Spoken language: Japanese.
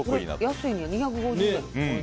安いねん、２５０円。